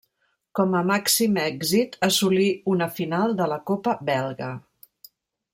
Com a màxim èxit assolí una final de la copa belga.